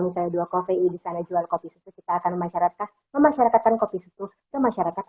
misalnya dua kopi di sana jual kopi susu kita akan memasyarakatkan kopi susu ke masyarakat